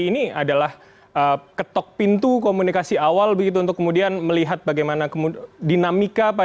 ini adalah ketok pintu komunikasi awal begitu untuk kemudian melihat bagaimana dinamika pak